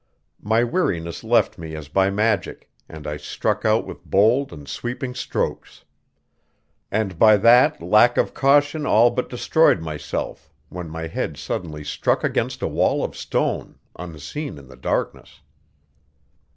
My weariness left me as by magic, and I struck out with bold and sweeping strokes; and by that lack of caution all but destroyed myself when my head suddenly struck against a wall of stone, unseen in the darkness.